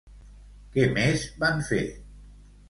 Què més van fer?